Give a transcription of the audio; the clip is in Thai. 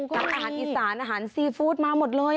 อาหารอีสานอาหารซีฟู้ดมาหมดเลย